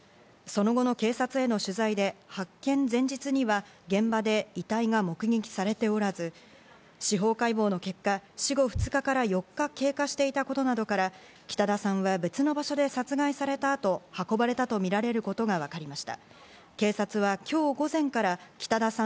その後の警察への取材で、発見前日には現場で遺体が目撃されておらず、司法解剖の結果、死後２日から４日経過していたことなどから、北田さんは別の場所で殺害されたあと、運ばれたとみられることがわかりました。